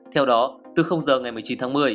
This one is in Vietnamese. theo đó từ giờ ngày một mươi chín tháng một mươi